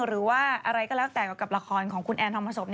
หรือว่าอะไรก็แล้วแต่กับละครของคุณแอนทองผสม